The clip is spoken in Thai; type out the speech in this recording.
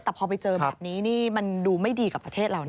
แต่พอไปเจอแบบนี้นี่มันดูไม่ดีกับประเทศเรานะ